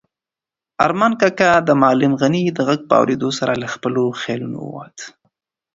ارمان کاکا د معلم غني د غږ په اورېدو سره له خپلو خیالونو ووت.